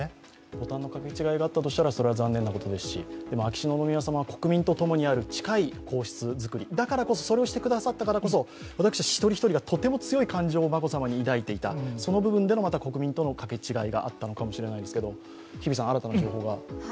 ボタンのかけ違いがあったとしたら、それは残念なことですし、でも秋篠宮さまは国民に近い皇室づくり、だからこそ、それをしてくださったからこそ私たち一人一人がとても強い感情を眞子さまに抱いていたその部分でも国民とのかけ違いがあったのかもしれないですが、新たな情報です。